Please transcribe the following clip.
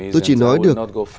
tôi chỉ nói được